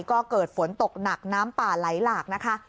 ก็เกิดฝนตกหนักน้ำป่าไหลหลากนะคะ